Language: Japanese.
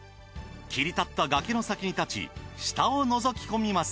切り立った崖の先に立ち下を覗き込みます。